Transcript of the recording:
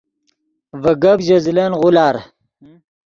ڤے گپ ژے زلن غولار